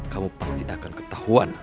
kamu pasti akan ketahuan